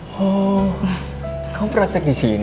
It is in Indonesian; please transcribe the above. oh kamu praktek disini